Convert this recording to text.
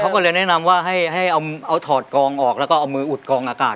เขาก็เลยแนะนำว่าให้เอาถอดกองออกแล้วก็เอามืออุดกองอากาศ